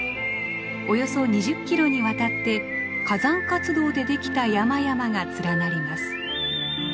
およそ２０キロにわたって火山活動でできた山々が連なります。